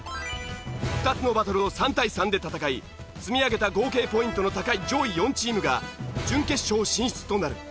２つのバトルを３対３で戦い積み上げた合計ポイントの高い上位４チームが準決勝進出となる。